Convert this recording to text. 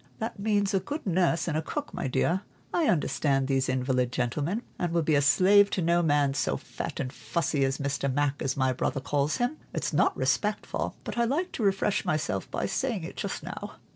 That means a good nurse and cook, my dear. I understand these invalid gentlemen, and will be a slave to no man so fat and fussy as Mr. Mac, as my brother calls him. It's not respectful, but I like to refresh myself by saying it just now."